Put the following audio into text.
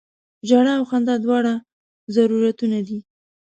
ژړا او خندا دواړه ضرورتونه دي.